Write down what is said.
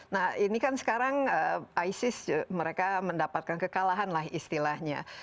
nah ini kan sekarang isis mereka mendapatkan kekalahan